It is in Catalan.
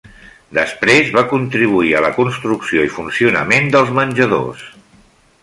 Després va contribuir a la construcció i funcionament dels menjadors.